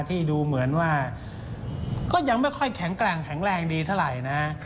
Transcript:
ที่ดูเหมือนว่าก็ยังไม่ค่อยแข็งแกร่งแข็งแรงดีเท่าไหร่นะ